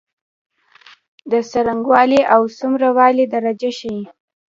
د څرنګوالی او څومره والي درجه ښيي.